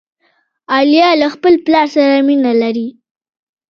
عالیه له خپل پلار سره مینه لري.